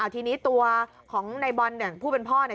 ทีนี้ตัวของในบอลพูดเป็นพ่อเนี่ย